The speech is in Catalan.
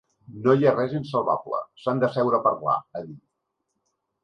No hi ha res insalvable, s’han d’asseure a parlar, ha dit.